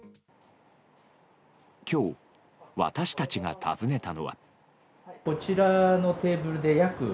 今日、私たちが訪ねたのは。